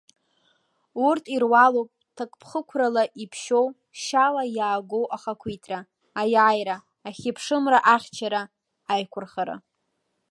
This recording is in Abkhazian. Урҭ ируалуп ҭакԥхықәрала иԥшьоу, шьала иаагоу Ахақәиҭра, Аиааира, Ахьыԥшымра ахьчара аиқәырхара!